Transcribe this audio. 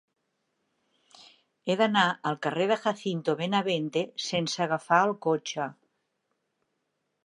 He d'anar al carrer de Jacinto Benavente sense agafar el cotxe.